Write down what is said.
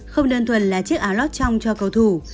không đơn thuần là chiếc áo lót trong cho cầu thủ